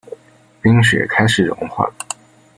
冰雪开始融化